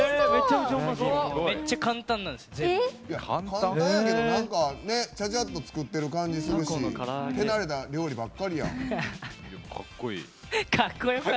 簡単やけどチャチャっと作ってる感じするし手慣れた料理ばっかりや。